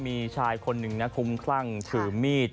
มีชายคนหนึ่งนะคุ้มคลั่งถือมีด